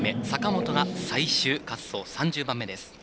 坂本が最終滑走、３０番目です。